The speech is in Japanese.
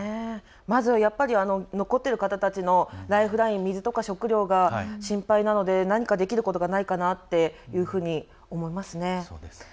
まずはやっぱり残っている方たちのライフライン水とか食料が心配なので何かできることがないかなというふうに思いますね。